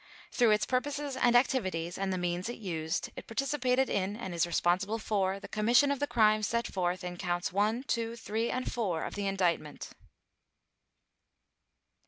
Through its purposes and activities and the means it used, it participated in and is responsible for the commission of the crimes set forth in Counts One, Two, Three, and Four of the Indictment.